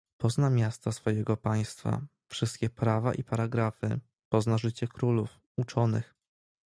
"Pozna miasta swojego państwa, wszystkie prawa i paragrafy, pozna życie królów, uczonych."